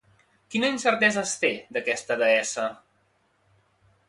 Quina incertesa es té, d'aquesta deessa?